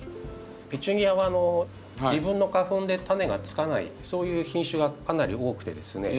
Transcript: ペチュニアは自分の花粉で種がつかないそういう品種がかなり多くてですね